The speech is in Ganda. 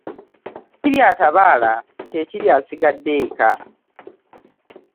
Ekirya atabaala kye kirya asigadde eka.